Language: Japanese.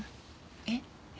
えっ？